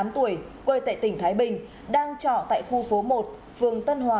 bốn mươi tám tuổi quê tại tỉnh thái bình đang trọ tại khu phố một phường tân hòa